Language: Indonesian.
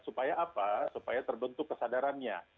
supaya apa supaya terbentuk kesadarannya